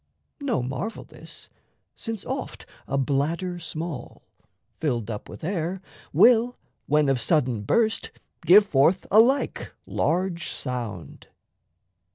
No marvel this; since oft a bladder small, Filled up with air, will, when of sudden burst, Give forth a like large sound.